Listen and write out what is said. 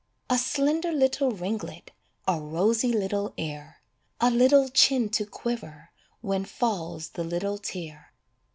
A slender little ringlet, A rosy little ear; A little chin to quiver When falls the little tear.